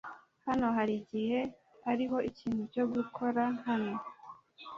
Hano harigihe hariho ikintu cyo gukora hano .